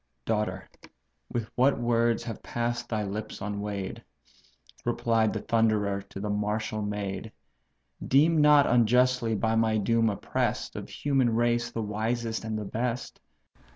"Daughter! what words have pass'd thy lips unweigh'd! (Replied the Thunderer to the martial maid;) Deem not unjustly by my doom oppress'd, Of human race the wisest and the best.